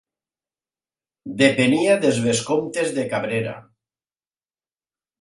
Depenia dels vescomtes de Cabrera.